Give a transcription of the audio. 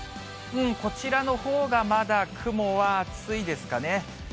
こちらのほうがまだ雲は厚いですかね。